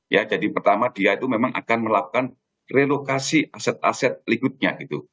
ya jadi pertama dia itu memang akan melakukan relokasi aset aset ligutnya gitu